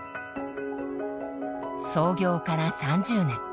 創業から３０年。